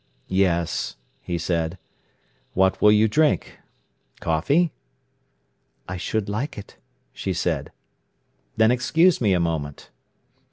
"Yes," he said. "What will you drink—coffee?" "I should like it," she said. "Then excuse me a moment."